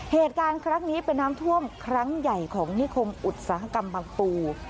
เหตุการณ์ครั้งนี้เป็นน้ำท่วมครั้งใหญ่ของนิคมอุตสาหกรรมบางปู